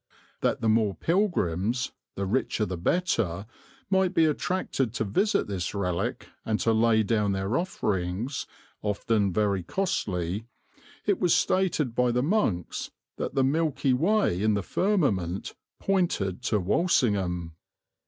That the more pilgrims, the richer the better, might be attracted to visit this relic and to lay down their offerings, often very costly, it was stated by the monks that the Milky Way in the firmament pointed to Walsingham.